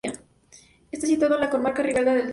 Está situado en la comarca Ribera del Duero.